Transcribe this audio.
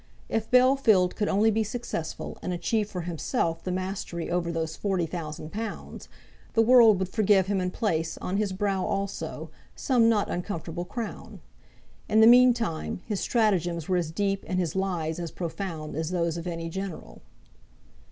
If Bellfield could only be successful, and achieve for himself the mastery over those forty thousand pounds, the world would forgive him and place, on his brow also, some not uncomfortable crown. In the mean time, his stratagems were as deep and his lies as profound as those of any general.